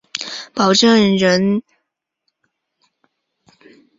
保护证人组在行动策略上均受到世界多国的高度评价。